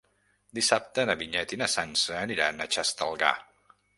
Dissabte na Vinyet i na Sança aniran a Xestalgar.